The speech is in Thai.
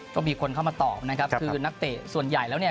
ก็มีคนเข้ามาตอบนะครับคือนักเตะส่วนใหญ่แล้วเนี่ย